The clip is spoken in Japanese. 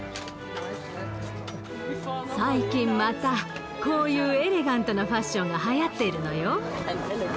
最近またこういうエレガントなファッションがはやっているのよ。